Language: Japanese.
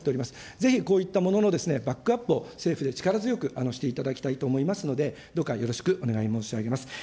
ぜひこういったもののバックアップを政府で力強くしていただきたいと思いますので、どうかよろしくお願い申し上げます。